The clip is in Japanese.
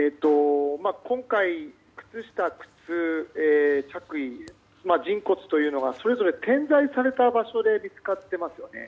今回、靴下、靴、着衣人骨というのがそれぞれ点在された場所で見つかっていますよね。